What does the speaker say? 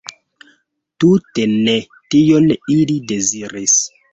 Tute ne tion ili deziris.